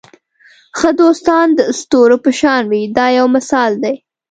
ښه دوستان د ستورو په شان وي دا یو مثال دی.